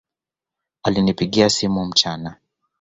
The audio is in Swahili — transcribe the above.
Alinipigia simu mchana